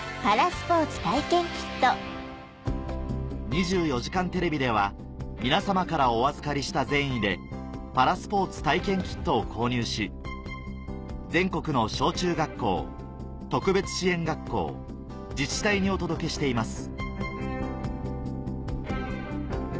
『２４時間テレビ』では皆さまからお預かりした善意でを購入し全国の小中学校特別支援学校自治体にお届けしています